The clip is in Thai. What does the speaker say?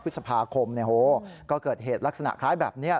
พฤษภาคมก็เกิดเหตุลักษณะคล้ายแบบนี้